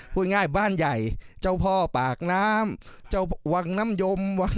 พูดง่ายบ้านใหญ่เจ้าพ่อปากน้ำเจ้าวังน้ำยมวังน้ำเย็นมาอยู่ด้วยกัน